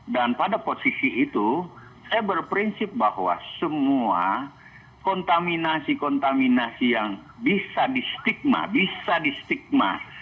dan pada posisi itu saya berprinsip bahwa semua kontaminasi kontaminasi yang bisa distigma bisa distigma